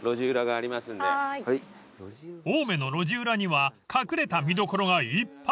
［青梅の路地裏には隠れた見どころがいっぱい］